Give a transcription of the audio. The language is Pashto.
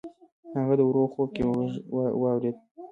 هغه د ورور خوب کې غږ واورېد.